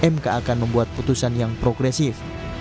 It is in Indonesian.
mk akan membuat putusan yang progresif